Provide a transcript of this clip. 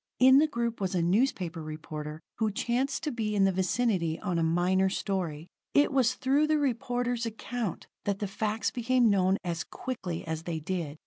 In the group was a newspaper reporter who chanced to be in the vicinity on a minor story. It was through the reporter's account that the facts became known as quickly as they did.